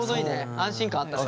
安心感あった。